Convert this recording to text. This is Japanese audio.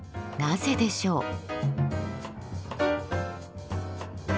なぜでしょう。